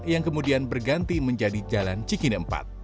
yang kemudian berganti menjadi jalan cikini empat